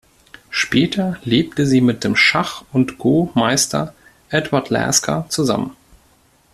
Später lebte sie mit dem Schach- und Go-Meister Edward Lasker zusammen.